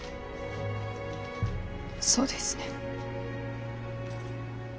そうですね。